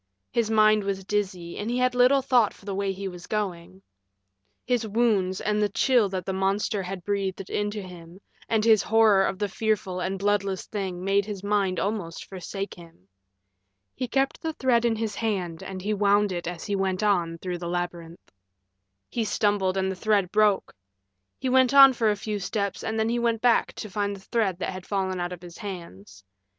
His mind was dizzy, and he had little thought for the way he was going. His wounds and the chill that the monster had breathed into him and his horror of the fearful and bloodless thing made his mind almost forsake him. He kept the thread in his hand and he wound it as he went on through the labyrinth. He stumbled and the thread broke. He went on for a few steps and then he went back to find the thread that had fallen out of his hands.